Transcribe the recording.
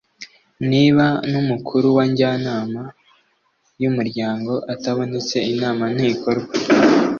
Niba n’Umukuru wa Njyanama y’Umuryango atabonetse inama ntikorwa